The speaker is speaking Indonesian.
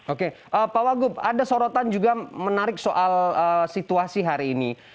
oke pak wagub ada sorotan juga menarik soal situasi hari ini